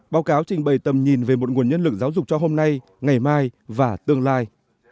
báo cáo trình bày tầm nhìn về một nguồn nhân lực giáo dục cho hôm nay ngày mai và tương lai